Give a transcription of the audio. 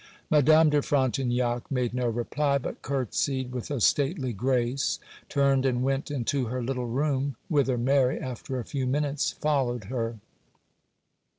Madame de Frontignac made no reply; but curtsied with a stately grace, turned and went into her little room, whither Mary, after a few minutes, followed her.